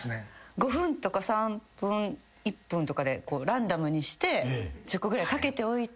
５分とか３分１分とかでランダムにして１０個ぐらいかけておいて。